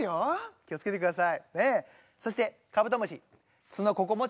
気を付けてください。